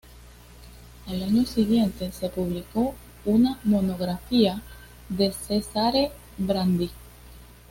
Al año siguiente, se publicó una monografía de Cesare Brandi.